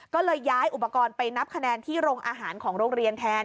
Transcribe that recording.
ก็เลยย้ายอุปกรณ์ไปนับคะแนนที่โรงอาหารของโรงเรียนแทน